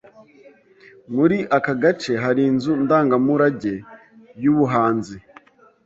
Muri aka gace hari inzu ndangamurage yubuhanzi.